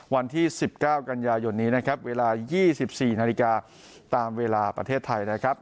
วันที่๑๙กันยายนนี้นะครับเวลา๒๔นาฬิกาตามเวลาประเทศไทยนะครับ